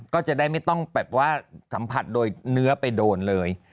ก็จะได้ไม่ต้องแบบว่าสัมผัสโดยเนื้อไปโดนเลย